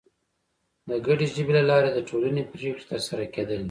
د ګډې ژبې له لارې د ټولنې پرېکړې تر سره کېدلې.